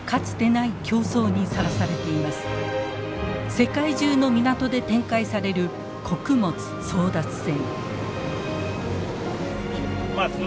世界中の港で展開される穀物争奪戦。